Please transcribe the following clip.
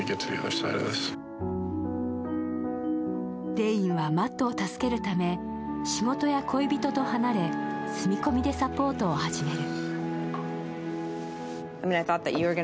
デインはマットを助けるため、仕事や恋人と離れ住み込みでサポートを始める。